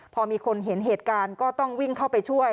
พอมีคนเห็นเหตุการณ์ก็ต้องวิ่งเข้าไปช่วย